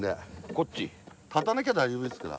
立たなきゃ大丈夫ですから。